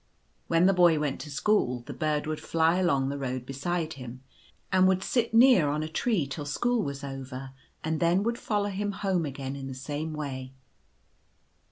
When the boy went to school the bird would fly along the road beside him, and would sit near ■MlM on a tree till school was over, and then would follow him home again in the same way.